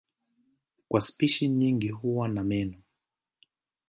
Kwa spishi nyingi huwa na meno.